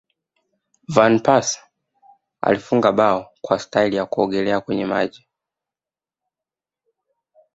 van persie alifunga bao kwa staili ya kuogelea kwenye maji